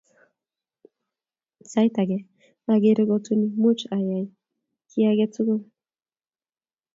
Sait age ageree, kotuni muuch ayay kiy age tugul